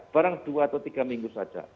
barang dua atau tiga minggu saja